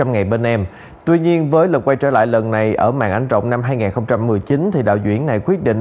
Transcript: một mươi ngày bên em tuy nhiên với lần quay trở lại lần này ở màng ánh rộng năm hai nghìn một mươi chín thì đạo diễn này quyết định